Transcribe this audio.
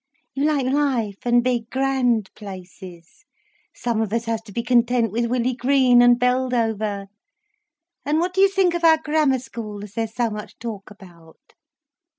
You like life, and big, grand places. Some of us has to be content with Willey Green and Beldover. And what do you think of our Grammar School, as there's so much talk about?"